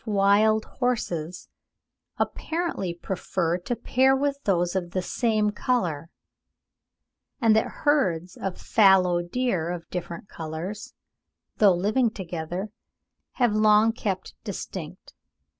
that half wild horses apparently prefer to pair with those of the same colour, and that herds of fallow deer of different colours, though living together, have long kept distinct.